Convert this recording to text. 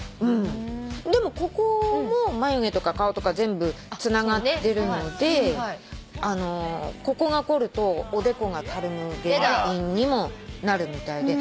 でもここも眉毛とか顔とか全部つながってるのでここが凝るとおでこがたるむ原因にもなるみたいで。